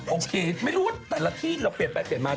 โอเคไม่รู้ว่าแต่ละที่เราเปลี่ยนไปเปลี่ยนมา